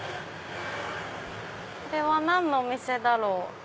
これは何のお店だろう？